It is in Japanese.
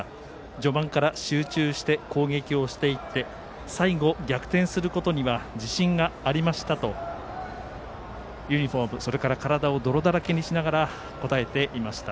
序盤から集中して攻撃をしていって最後、逆転することには自信がありましたとユニフォーム、体を泥だらけにしながら答えていました。